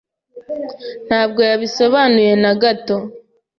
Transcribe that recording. Ntabwo yabisobanuye na gato.